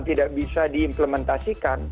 tidak bisa diimplementasikan